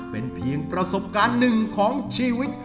เป็นเพียงประสบการณ์หนึ่งของชีวิต